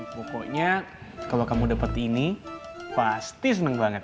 pokoknya kalau kamu dapat ini pasti senang banget